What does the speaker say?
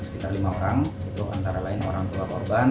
sekitar lima orang itu antara lain orang tua korban